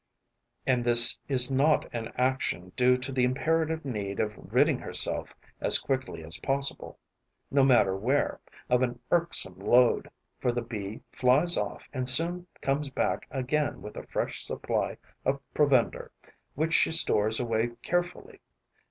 And this is not an action due to the imperative need of ridding herself as quickly as possible, no matter where, of an irksome load, for the Bee flies off and soon comes back again with a fresh supply of provender, which she stores away carefully.